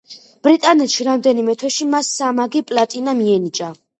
ბრიტანეთში რამდენიმე თვეში მას სამმაგი პლატინა მიენიჭა.